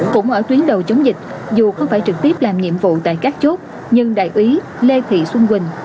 cũng ở tuyến đầu chống dịch dù không phải trực tiếp làm nhiệm vụ tại các chốt nhưng đại úy lê thị xuân quỳnh